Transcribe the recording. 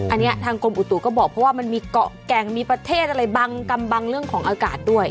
อันนี้ทางกรมอุตุก็บอกเพราะว่ามันมีเกาะแก่งมีประเทศอะไรบังกำบังเรื่องของอากาศด้วย